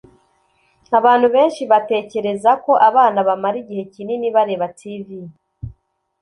Abantu benshi batekereza ko abana bamara igihe kinini bareba TV